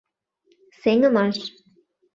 СЕҤЫМАШ